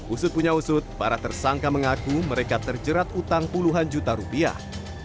usut punya usut para tersangka mengaku mereka terjerat utang puluhan juta rupiah